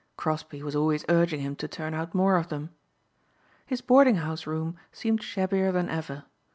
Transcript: Crosbeigh was always urging him to turn out more of them. His boarding house room seemed shabbier than ever.